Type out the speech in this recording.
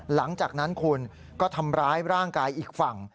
หลังจากนั้นคุณก็ทำร้ายร่างกายอีกฝั่ง